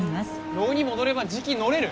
牢に戻ればじき乗れる。